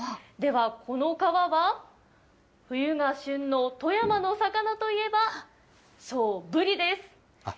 ではこの皮は、冬が旬の富山の魚といえば、そう、ブリです。